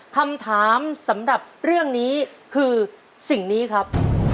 คำถามสำหรับเรื่องนี้คือสิ่งนี้ครับ